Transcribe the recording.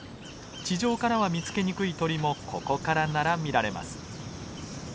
地上からは見つけにくい鳥もここからなら見られます。